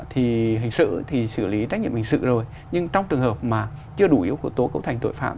thì hình sự thì xử lý trách nhiệm hình sự rồi nhưng trong trường hợp mà chưa đủ yếu tố cấu thành tội phạm